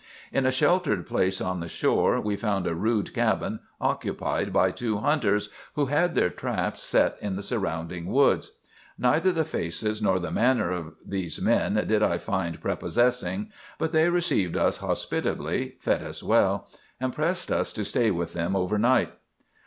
"In a sheltered place on the shore we found a rude cabin occupied by two hunters, who had their traps set in the surrounding woods. Neither the faces nor the manner of these men did I find prepossessing; but they received us hospitably, fed us well, and pressed us to stay with them over night.